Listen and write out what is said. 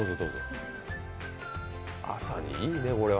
朝にいいね、これは。